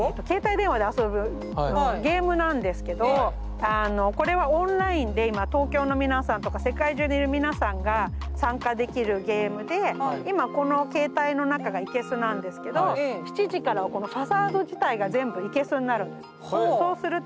携帯電話で遊ぶゲームなんですけどこれはオンラインで今東京の皆さんとか世界中にいる皆さんが参加できるゲームで今この携帯の中が生けすなんですけど７時からはこのファサード自体が全部生けすになるんです。